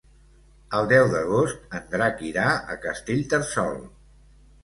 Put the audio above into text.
El deu d'agost en Drac irà a Castellterçol.